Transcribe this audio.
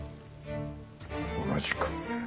同じく。